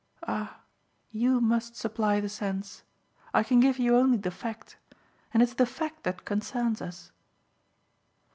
"Ah you must supply the sense; I can give you only the fact and it's the fact that concerns us.